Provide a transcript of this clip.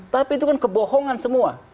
tapi itu kan kebohongan semua